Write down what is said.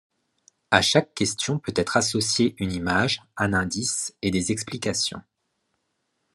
À chaque question peut être associée une image, un indice et des explications.